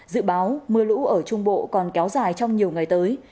dự báo mưa lũ ở trung bộ còn kéo dài trong nhiều ngày tới